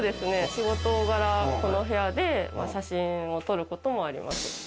仕事柄、この部屋で写真を撮ることもあります。